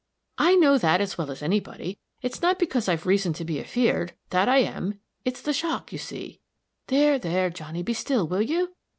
"I know that as well as anybody. It's not because I've reason to be afeard, that I am it's the shock, you see. There, there, Johnny, be still, will you?